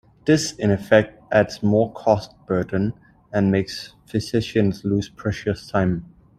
This in effect adds more cost burden and makes physicians lose precious time.